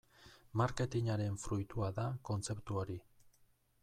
Marketingaren fruitua da kontzeptu hori.